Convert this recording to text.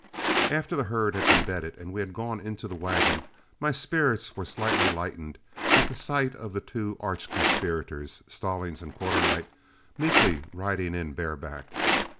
After the herd had been bedded and we had gone in to the wagon my spirits were slightly lightened at the sight of the two arch conspirators, Stallings and Quarternight, meekly riding in bareback.